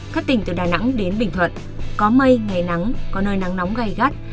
các tỉnh từ đà nẵng đến bình thuận có mây ngày nắng có nơi nắng nóng gai gắt